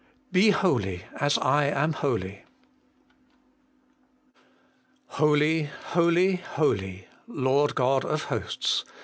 1 BE HOLY, AS I AM HOLY. Holy, holy, holy, Lord God of hosts